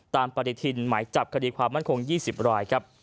ตามปฏิทินหมายจับคดีความมั่นคง๒๐ราย